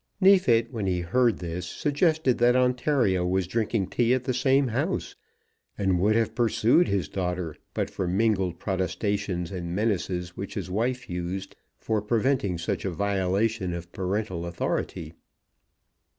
Neefit, when he heard this, suggested that Ontario was drinking tea at the same house, and would have pursued his daughter but for mingled protestations and menaces which his wife used for preventing such a violation of parental authority.